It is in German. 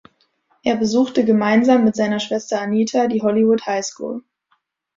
Er besuchte gemeinsam mit seiner Schwester Anita die Hollywood High School.